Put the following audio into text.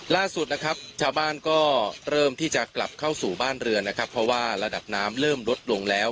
ล่าสุดนะครับชาวบ้านก็เริ่มที่จะกลับเข้าสู่บ้านเรือนนะครับเพราะว่าระดับน้ำเริ่มลดลงแล้ว